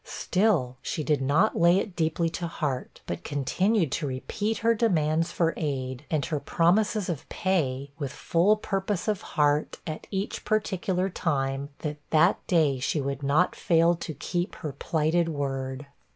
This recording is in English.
Still, she did not lay it deeply to heart, but continued to repeat her demands for aid, and her promises of pay, with full purpose of heart, at each particular time, that that day she would not fail to keep her plighted word.